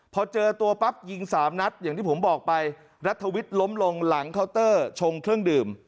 พอเจอตัวปั๊บยิงสามนัดอย่างที่ผมบอกไปรัฐวิทย์ล้มลงหลังเคาน์เตอร์ชงเครื่องดื่ม